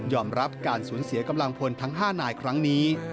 รับการสูญเสียกำลังพลทั้ง๕นายครั้งนี้